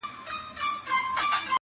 ستیوري به تسخیر کړمه راکړي خدای وزري دي,